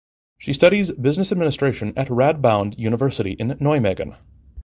She studies business administration at the Radboud University in Nijmegen.